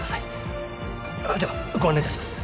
ではご案内いたします。